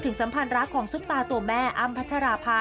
สัมพันธ์รักของซุปตาตัวแม่อ้ำพัชราภา